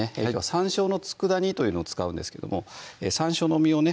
山椒の佃煮というのを使うんですけども山椒の実をね